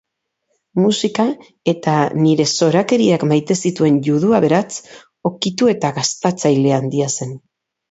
Musika eta nire zorakeriak maite zituen judu aberats okitu eta gastatzaile handia zen.